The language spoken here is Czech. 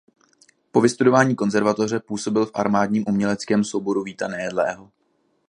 Po vystudování konzervatoře působil v Armádním uměleckém souboru Víta Nejedlého.